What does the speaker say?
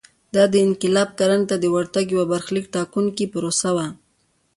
دا انقلاب کرنې ته د ورتګ یوه برخلیک ټاکونکې پروسه وه